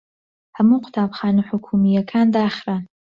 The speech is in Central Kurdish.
هەموو قوتابخانە حکوومییەکان داخران.